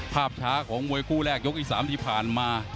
ภาพช้าของมวยคู่แรกยกที่๓ที่ผ่านมา